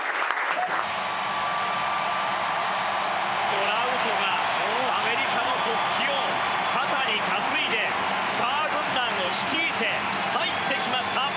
トラウトがアメリカの国旗を肩に担いでスター軍団を率いて入ってきました。